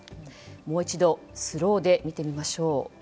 もう一度スローで見てみましょう。